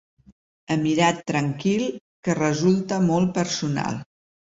Emirat tranquil que resulta molt personal.